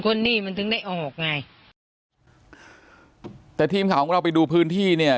คนนี่มันถึงได้ออกไงแต่ทีมข่าวของเราไปดูพื้นที่เนี่ย